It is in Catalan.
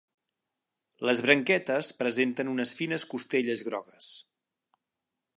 Les branquetes presenten unes fines costelles grogues.